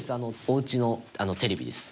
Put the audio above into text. おうちのテレビです。